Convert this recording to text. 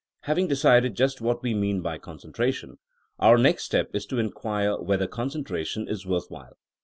Having decided just what we mean by con centration, our next step is to inquire whether concentration is worth while.